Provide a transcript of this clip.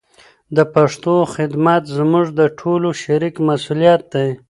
د پښتو خدمت زموږ د ټولو شریک مسولیت دی.